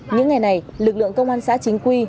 những ngày này lực lượng công an xã chính quy